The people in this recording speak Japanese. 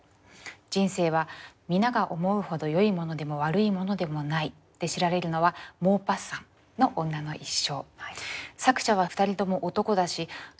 “人生は皆が思うほど良いものでも悪いものでもない”で知られるのはモーパッサンの『女の一生』」。